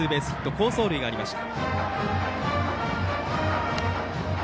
好走塁がありました。